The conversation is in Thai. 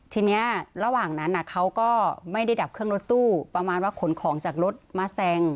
ทีนี้ระหว่างนั้นเขาก็ไม่ได้ดับเครื่องรถตู้ประมาณว่าขนของจากรถมาแซง